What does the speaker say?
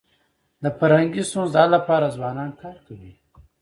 د فرهنګي ستونزو د حل لپاره ځوانان کار کوي.